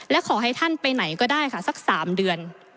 และขอให้ท่านไปไหนก็ได้ค่ะสัก๓เดือน